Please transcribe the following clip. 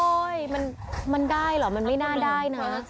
มันได้เหรอมันไม่น่าได้นะ